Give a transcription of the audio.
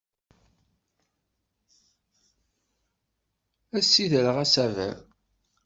Ad d-ssidreɣ asaber.